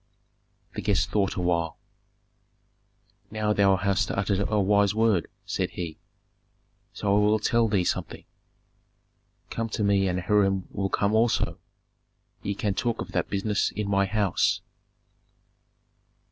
The guest thought awhile. "Now thou hast uttered a wise word," said he; "so I will tell thee something. Come to me and Hiram will come also; ye can talk of that business in my house."